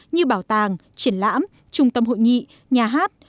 như bảo tàng triển lãm trung tâm hội nghị nhà hát